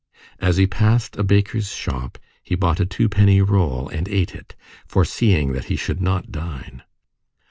As he passed a baker's shop, he bought a two penny roll, and ate it, foreseeing that he should not dine.